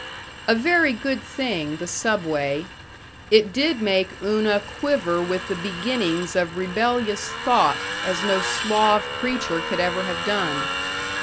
A very good thing, the Subway. It did make Una quiver with the beginnings of rebellious thought as no suave preacher could ever have done.